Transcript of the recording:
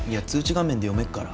画面で読めるから。